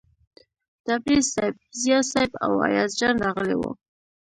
تبریز صیب، ضیا صیب او ایاز جان راغلي ول.